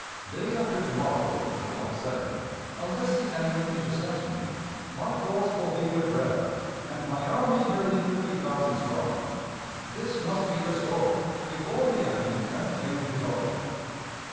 Day after to morrow (the 22d), unless the enemy intercepts me, my force will be with Bragg, and my army nearly fifty thousand strong. _This must be destroyed before the enemy can attain his object.